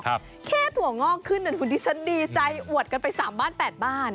แค่ถั่วงอกขึ้นดูดิฉันดีใจอวดกันไป๓บ้าน๘บ้าน